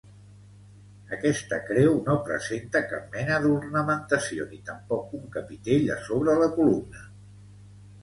Aquesta creu no presenta cap mena d'ornamentació, ni tampoc un capitell a sobre la columna.